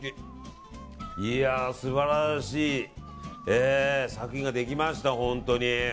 素晴らしい作品ができました本当に。